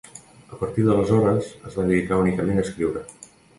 A partir d'aleshores es va dedicar únicament a escriure.